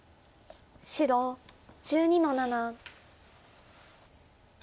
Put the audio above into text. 白１２の七。